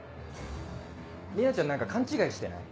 里奈ちゃん何か勘違いしてない？